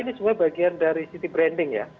ini sebenarnya bagian dari city branding ya